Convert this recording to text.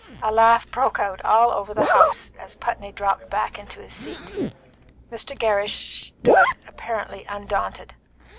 A laugh broke out all over the house as Putney dropped back into his seat. Mr. Gerrish stood apparently undaunted.